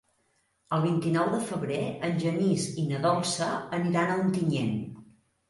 El vint-i-nou de febrer en Genís i na Dolça aniran a Ontinyent.